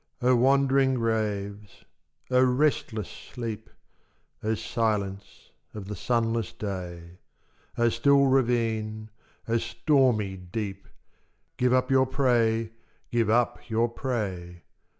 O wandering graves! O restless sleep! O silence of the sunless day! O still ravine! O stormy deep! Give up your prey! Give up your prey!